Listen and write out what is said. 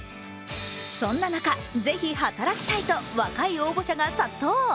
そんな中、ぜひ働きたいと若い応募者が殺到。